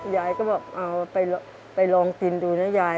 ยายก็บอกเอาไปลองกินดูนะยาย